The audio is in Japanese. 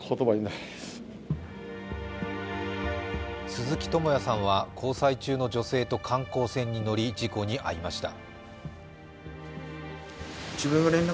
鈴木智也さんは交際中の女性と観光船に乗り事故に遭いました。